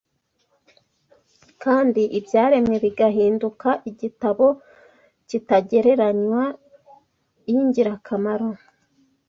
kandi ibyaremwe bigahinduka igitabo kitagereranywa yigiramo